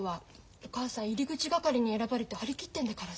お母さん入り口係に選ばれて張り切ってんだからさ。